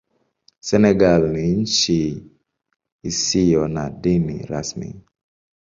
Senegal ni nchi isiyo na dini rasmi.